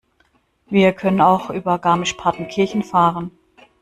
Wir können auch über Garmisch-Partenkirchen fahren.